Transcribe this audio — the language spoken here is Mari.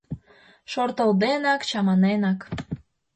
Шортылденак, чаманенак